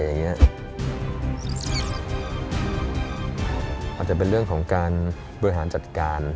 อาจจะเป็นเรื่องของการบริหารจัดการ